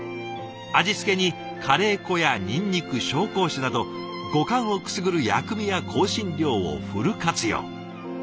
味付けにカレー粉やにんにく紹興酒など五感をくすぐる薬味や香辛料をフル活用。